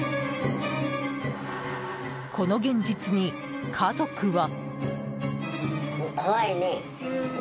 この現実に、家族は。